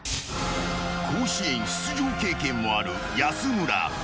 ［甲子園出場経験もある安村］